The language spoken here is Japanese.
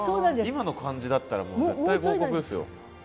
今の感じだったらもう絶対合格ですよ。